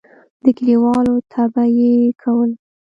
د کلیوالو طبعه یې کوله.